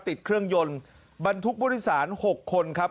ติดเครื่องยนต์บรรทุกบุริษัน๖คนครับ